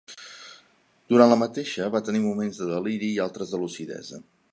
Durant la mateixa va tenir moments de deliri i altres de lucidesa.